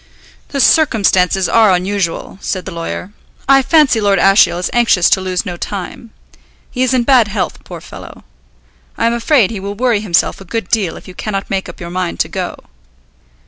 "The circumstances are unusual," said the lawyer. "I fancy Lord Ashiel is anxious to lose no time. He is in bad health, poor fellow. I am afraid he will worry himself a good deal if you cannot make up your mind to go."